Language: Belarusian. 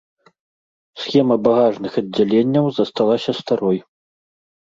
Схема багажных аддзяленняў засталася старой.